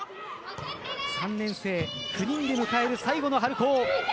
３年生９人で迎える最後の春高。